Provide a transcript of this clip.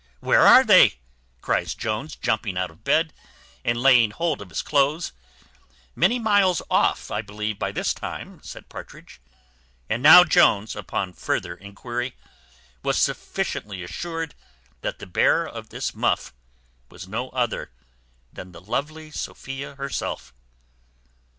"Where are they?" cries Jones, jumping out of bed, and laying hold of his cloaths. "Many miles off, I believe, by this time," said Partridge. And now Jones, upon further enquiry, was sufficiently assured that the bearer of this muff was no other than the lovely Sophia herself.